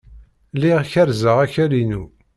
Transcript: Lliɣ kerrzeɣ akal-inu.